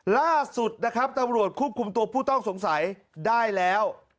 ล่าสุดนะครับตำรวจควบคุมตัวผู้ต้องสงสัยได้แล้ว